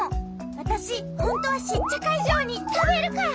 わたしほんとはシッチャカいじょうにたべるから！